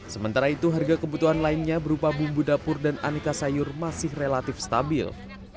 sementara itu harga kebutuhan lainnya berupa bumbu dapur dan aneka sayur masih relatif stabil